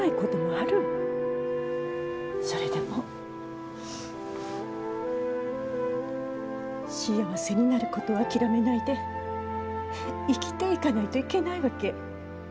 それでも幸せになることを諦めないで生きていかないといけないわけ。